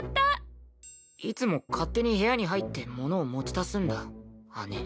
いつも勝手に部屋に入って物を持ち出すんだ姉。